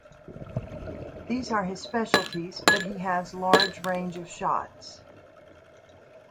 These are his specialties, but he has large range of shots.